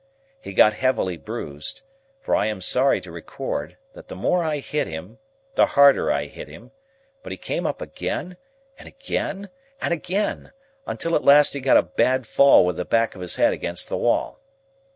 He got heavily bruised, for I am sorry to record that the more I hit him, the harder I hit him; but he came up again and again and again, until at last he got a bad fall with the back of his head against the wall.